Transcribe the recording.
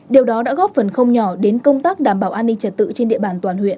điều đó đã góp phần không nhỏ đến công tác đảm bảo an ninh trật tự trên địa bàn toàn huyện